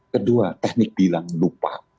kedua teknik bilang lupa